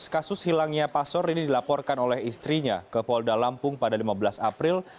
kasus hilangnya pasor ini dilaporkan oleh istrinya ke polda lampung pada lima belas april